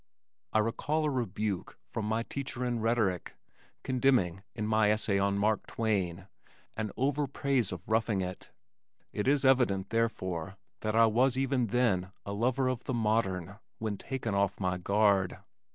I recall a rebuke from my teacher in rhetoric, condemning, in my essay on Mark Twain, an over praise of Roughing It. It is evident, therefore that I was even then a lover of the modern when taken off my guard.